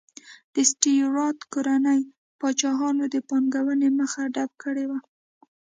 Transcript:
د سټیورات کورنۍ پاچاهانو د پانګونې مخه ډپ کړې وه.